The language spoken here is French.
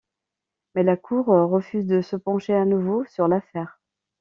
Mais la Cour refuse de se pencher à nouveau sur l'affaire.